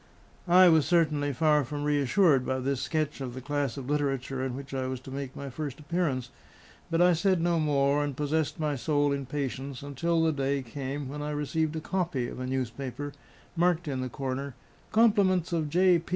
I was certainly far from reassured by this sketch of the class of literature in which I was to make my first appearance; but I said no more, and possessed my soul in patience, until the day came when I received a copy of a newspaper marked in the corner, "Compliments of J.